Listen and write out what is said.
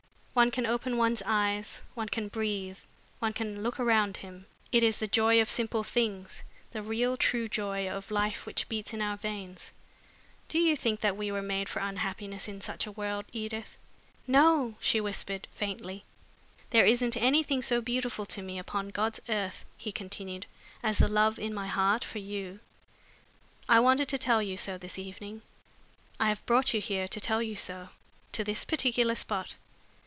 One can open one's eyes, one can breathe, one can look around him. It is the joy of simple things, the real true joy of life which beats in our veins. Do you think that we were made for unhappiness in such a world, Edith?" "No!" she whispered, faintly. "There isn't anything so beautiful to me upon God's earth," he continued, "as the love in my heart for you. I wanted to tell you so this evening. I have brought you here to tell you so to this particular spot.